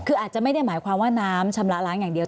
คืออาจจะไม่ได้หมายความว่าน้ำชำระล้างอย่างเดียว